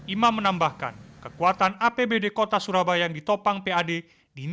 imam menambahkan kekuatan apbd kota surabaya yang ditopang pad